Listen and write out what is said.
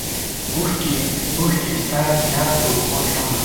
اوښکې ، اوښکې ستا دیاد په اوږو تلمه